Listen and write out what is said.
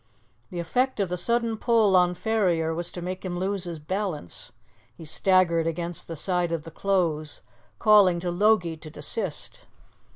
The effect of the sudden pull on Ferrier was to make him lose his balance. He staggered against the side of the close, calling to Logie to desist.